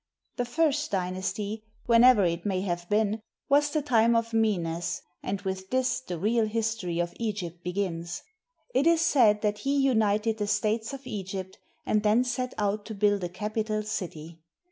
The First Dynasty, whenever it may have been, was the time of Menes ; and with this the real history of Egypt begins. It is said that he united the states of Egypt and then set out to build a capital city.